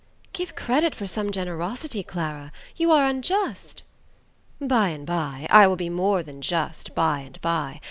"Give credit for some generosity, Clara; you are unjust!" "By and by: I will be more than just by and by.